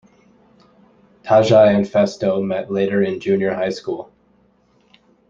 Tajai and Phesto met later in junior high school.